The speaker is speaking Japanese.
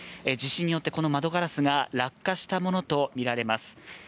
地震によって窓ガラスが落下したものとみられます。